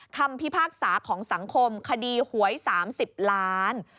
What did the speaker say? คำพิพากษาของสังคมคดีหวย๓๐ล้าน